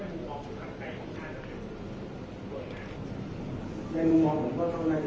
แต่ว่าเวลาที่บอกให้ชอบเขาไม่ได้